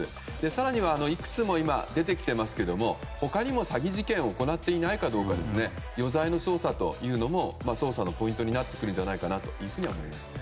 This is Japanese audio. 更にはいくつも出てきてますけども他にも詐欺事件を行っていないかどうか余罪の捜査も捜査のポイントになってくるのではないかと思います。